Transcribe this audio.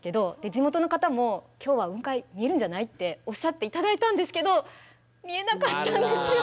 地元の方も今日は雲海見えるんじゃないっておっしゃって頂いたんですけど見えなかったんですよ。